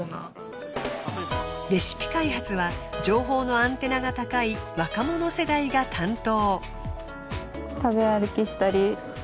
レシピ開発は情報のアンテナが高い若者世代が担当。